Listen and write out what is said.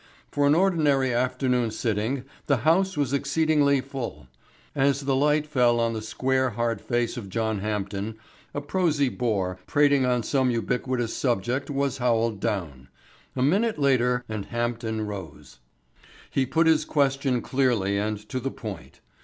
For an ordinary afternoon sitting the House was exceeding full. As the light fell on the square hard face of John Hampden a prosy bore prating on some ubiquitous subject was howled down. A minute later and Hampden rose. He put his question clearly and to the point.